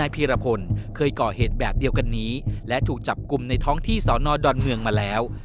พีรพลเคยก่อเหตุแบบเดียวกันนี้และถูกจับกลุ่มในท้องที่สอนอดอนเมืองมาแล้ว